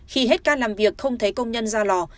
khi hết ca làm việc không thấy công nhân ra lò